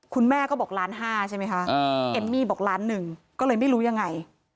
คุณแม่ก็บอกล้านห้าใช่ไหมคะเอมมี่บอกล้านหนึ่งก็เลยไม่รู้ยังไง